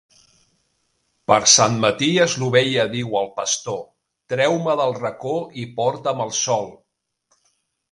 Per Sant Maties l'ovella diu al pastor: —Treu-me del racó i porta'm al sol.